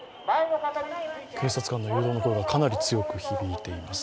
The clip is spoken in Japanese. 警察官の誘導の声がかなり強く響いています。